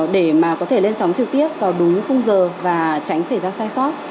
để mà có thể lên sóng trực tiếp vào đúng khung giờ và tránh xảy ra sai sót